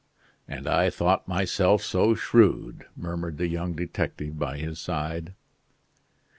"And I thought myself so shrewd!" murmured the young detective by his side.